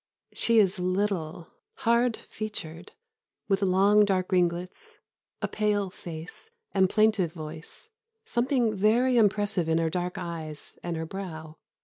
] "She is little, hard featured, with long dark ringlets, a pale face, and plaintive voice, something very impressive in her dark eyes and her brow.